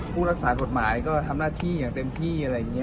ผู้รักษาผลหมายก็ทำหน้าที่อย่างเต็มที่